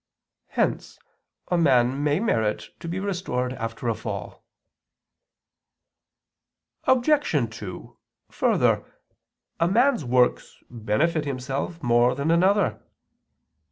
Hence a man may merit to be restored after a fall. Obj. 2: Further, a man's works benefit himself more than another.